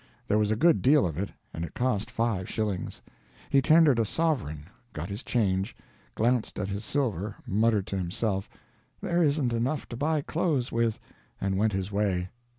There was a good deal of it, and it cost five shillings. He tendered a sovereign, got his change, glanced at his silver, muttered to himself, "There isn't enough to buy clothes with," and went his way.